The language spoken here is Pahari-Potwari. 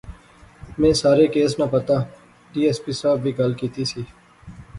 میں سارے کیس ناں پتہ۔۔ ڈی ایس پی صاحب وی گل کیتی سی